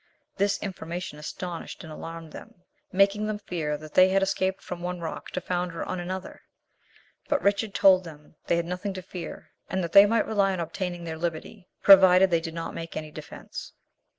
This information astonished and alarmed them, making them fear that they had escaped from one rock to founder on another; but Richard told them they had nothing to fear, and that they might rely on obtaining their liberty, provided they did not make any defence.